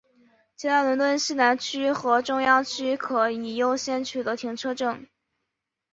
且在伦敦西南区和中央区可以优先取得停车证。